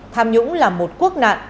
tham nhũng là một quốc nạn